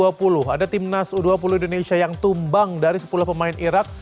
ada timnas u dua puluh indonesia yang tumbang dari sepuluh pemain irak